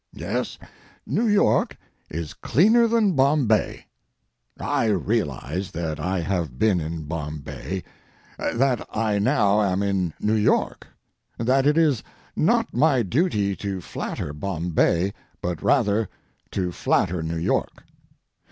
Yes, New York is cleaner than Bombay. I realize that I have been in Bombay, that I now am in New York; that it is not my duty to flatter Bombay, but rather to flatter New York.